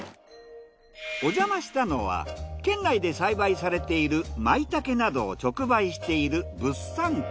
おじゃましたのは県内で栽培されているまいたけなどを直売している物産館。